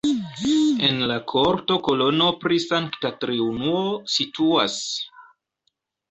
En la korto kolono pri Sankta Triunuo situas.